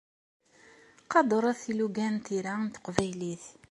Qadret ilugan n tira n teqbaylit!